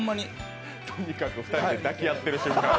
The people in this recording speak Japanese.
とにかく２人で抱き合ってる瞬間。